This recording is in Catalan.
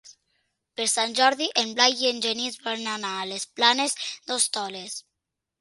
Per Sant Jordi en Blai i en Genís volen anar a les Planes d'Hostoles.